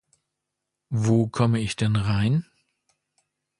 Wo komme ich denn rein?